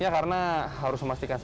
orang orang nemaja membuat rahasia rimata